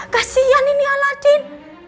kasian ini aladin